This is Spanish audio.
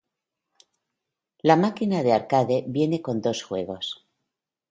La máquina de arcade viene con dos juegos.